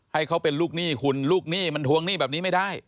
ให้เขาเป็นลูกหนี้คุณลูกหนี้มันทวงหนี้แบบนี้ไม่ได้